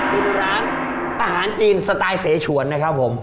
เป็นร้านอาหารจีนสไตล์เสฉวนนะครับผม